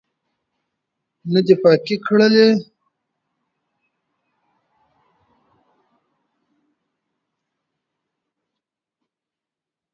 نه دي پاکي کړلې سرې اوښکي د کونډي